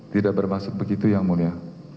tidak bermaksud begitu ya mulya